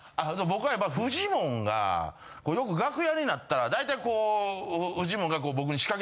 僕はやっぱりフジモンがよく楽屋になったら大体こう。